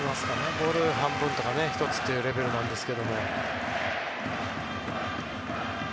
ボール半分とか１つというレベルなんですが。